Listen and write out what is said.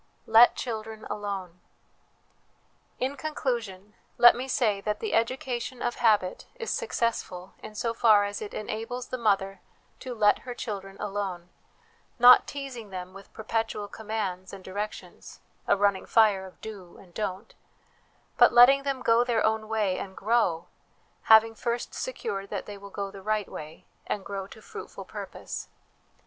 Let Children Alone. In conclusion, let me say that the education of habit is successful in so far as it enables the mother to let her children alone, not teasing them with perpetual commands and direc tions a running fire of Do and Don't ; but letting them go their own way and grow, having first secured that they will go the right way, and grow to fruitful purpose.